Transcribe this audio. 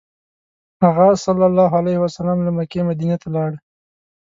هغه ﷺ له مکې مدینې ته لاړ.